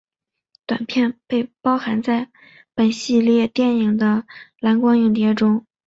短片被包含在本系列电影的蓝光影碟中。